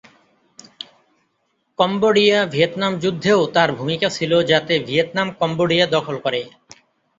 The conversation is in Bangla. কম্বোডিয়া-ভিয়েতনাম যুদ্ধেও তার ভূমিকা ছিল যাতে ভিয়েতনাম কম্বোডিয়া দখল করে।